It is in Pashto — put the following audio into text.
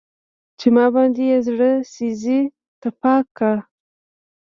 چې ما باندې يې زړه سيزي تپاک کا